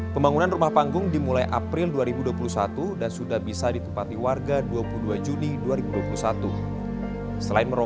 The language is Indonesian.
pembangunan rumah panggung dimulai april dua ribu dua puluh satu dan sudah bisa ditempati warga dua puluh dua juni dua ribu dua puluh satu